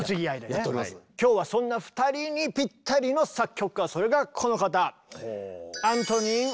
今日はそんな２人にぴったりの作曲家それがこの方！